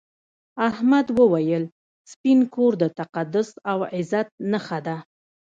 احمد وویل سپین کور د تقدس او عزت نښه ده.